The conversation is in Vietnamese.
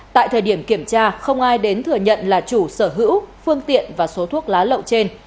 tại thời điểm kiểm tra không ai đến thừa nhận là chủ sở hữu phương tiện và số thuốc lá lậu trên